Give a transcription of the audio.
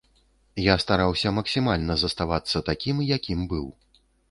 Я стараўся максімальна заставацца такім, якім быў.